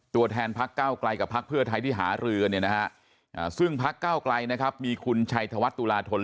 ตัวแทนพักเก้าไกลกับพักเพื่อไทยที่หารือเนี่ยนะฮะซึ่งพักเก้าไกลนะครับมีคุณชัยธวัฒนตุลาธน